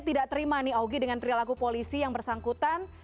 tidak terima nih augie dengan perilaku polisi yang bersangkutan